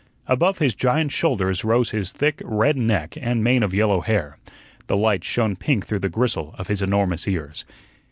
Above his giant shoulders rose his thick, red neck and mane of yellow hair. The light shone pink through the gristle of his enormous ears.